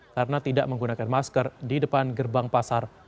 karena tidak menggunakan masker di depan gerbang pasar